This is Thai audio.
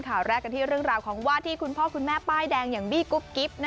ข่าวแรกกันที่เรื่องราวของวาดที่คุณพ่อคุณแม่ป้ายแดงอย่างบี้กุ๊บกิ๊บ